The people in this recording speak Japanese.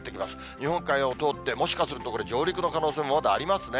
日本海を通って、もしかするとこれ、上陸の可能性もまだありますね。